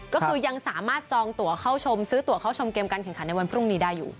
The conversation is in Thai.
ก็คือยังสามารถจองตัวเข้าชมซื้อตัวเข้าชมเกมการแข่งขันในวันพรุ่งนี้ได้อยู่